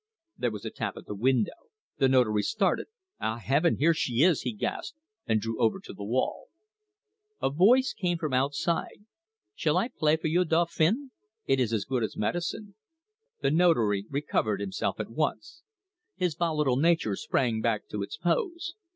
There was a tap at the window. The Notary started. "Ah, Heaven, here she is!" he gasped, and drew over to the wall. A voice came from outside. "Shall I play for you, Dauphin? It is as good as medicine." The Notary recovered himself at once. His volatile nature sprang back to its pose.